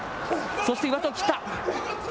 そして上手を切った。